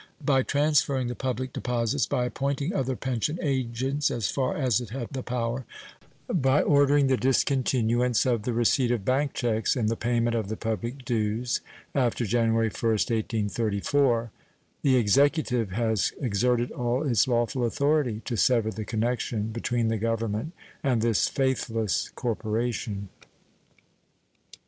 By transferring the public deposits, by appointing other pension agents as far as it had the power, by ordering the discontinuance of the receipt of bank checks in the payment of the public dues after January 1st, 1834, the Executive has exerted all its lawful authority to sever the connection between the Government and this faithless corporation.